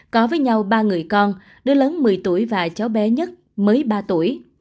có với nhau ba người con đứa lớn một mươi tuổi và cháu bé nhất mới ba tuổi